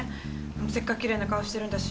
せっかくきれいな顔してるんだし。